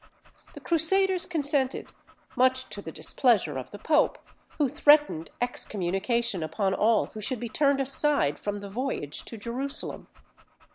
The Crusaders consented, much to the displeasure of the pope, who threatened excommunication upon all who should be turned aside from the voyage to Jerusalem.